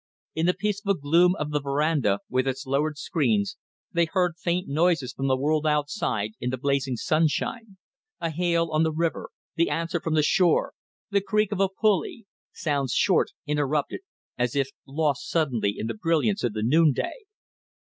In the peaceful gloom of the verandah, with its lowered screens, they heard faint noises from the world outside in the blazing sunshine: a hail on the river, the answer from the shore, the creak of a pulley; sounds short, interrupted, as if lost suddenly in the brilliance of noonday.